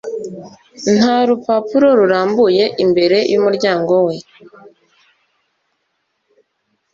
Nta rupapuro rurambuye imbere yumuryango we